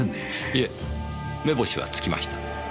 いえ目星はつきました。